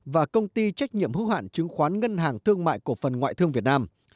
và công ty trách nhiệm hữu hạn chứng khoán ngân hàng thương mại cổ phần ngoại thương việt nam